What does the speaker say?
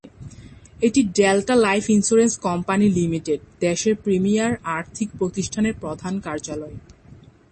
এটি Delta Life Insurance Company Limited, দেশের premier আর্থিক প্রতিষ্ঠানের প্রধান কার্যালয়।